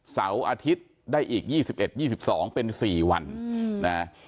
เสาร์อาทิตย์ได้อีกยี่สิบเอ็ดยี่สิบสองเป็นสี่วันนะฮะ